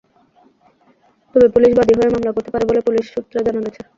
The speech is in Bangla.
তবে পুলিশ বাদী হয়ে মামলা করতে পারে বলে পুলিশ সূত্রে জানা গেছে।